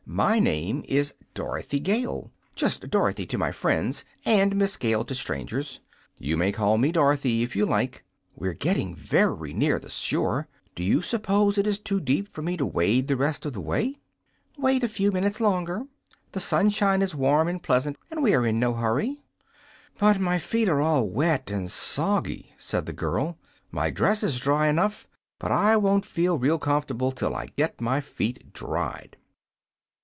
MY name is Dorothy Gale just Dorothy to my friends and Miss Gale to strangers. You may call me Dorothy, if you like. We're getting very near the shore. Do you suppose it is too deep for me to wade the rest of the way?" "Wait a few minutes longer. The sunshine is warm and pleasant, and we are in no hurry." "But my feet are all wet and soggy," said the girl. "My dress is dry enough, but I won't feel real comfor'ble till I get my feet dried."